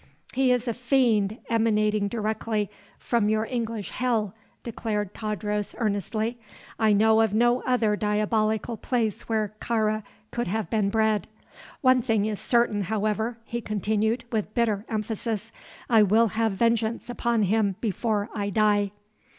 "He is a fiend emanating directly from your English hell," declared Tadros, earnestly. "I know of no other diabolical place where Kāra could have been bred. One thing is certain, however," he continued, with bitter emphasis, "I will have vengeance upon him before I die!"